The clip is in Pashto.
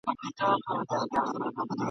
د خُم له زخمي زړه مو د مُغان ویني څڅېږي !.